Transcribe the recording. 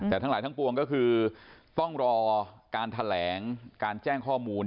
แต่ทั้งหลายทั้งปวงก็คือต้องรอการแถลงการแจ้งข้อมูล